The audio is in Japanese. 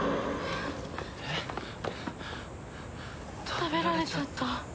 食べられちゃった。